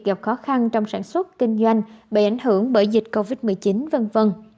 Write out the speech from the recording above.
gặp khó khăn trong sản xuất kinh doanh bị ảnh hưởng bởi dịch covid một mươi chín v v